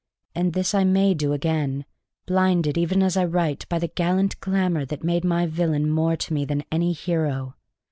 And this I may do again, blinded even as I write by the gallant glamour that made my villain more to me than any hero.